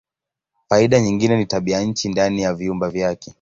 Faida nyingine ni tabianchi ndani ya vyumba vyake.